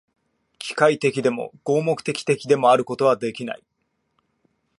機械的でも、合目的的でもあることはできない。